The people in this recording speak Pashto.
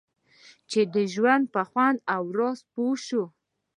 چې د ژوند په خوند او راز پوه شئ.